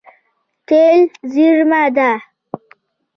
تېل زیرمه ده.